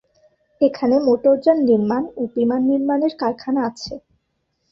এখানে মোটরযান নির্মাণ ও বিমান নির্মাণের কারখানা আছে।